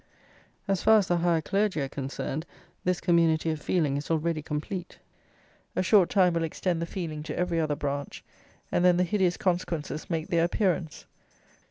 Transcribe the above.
As far as the higher clergy are concerned, this community of feeling is already complete. A short time will extend the feeling to every other branch; and then, the hideous consequences make their appearance.